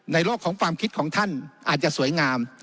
โลกของความคิดของท่านอาจจะสวยงาม